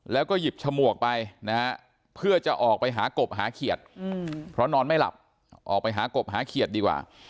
แล้วก็หยิบฉมวกไปนะฮะเพื่อจะออกไปหากบหาเขียดเพราะนอนไม่หลับออกไปหากบหาเขียดดีกว่า